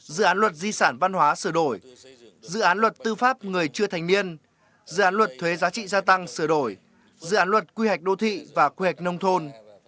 dự án luật di sản văn hóa sửa đổi dự án luật tư pháp người chưa thành niên dự án luật thuế giá trị gia tăng sửa đổi dự án luật quy hoạch đô thị và quy hoạch nông thôn